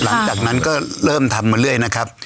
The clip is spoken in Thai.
หลังจากนั้นก็เริ่มทำมาเรื่อยนะครับ